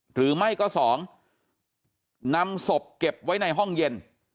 หรือไม่ก็๒นำศพเก็บไว้ในห้องเย็น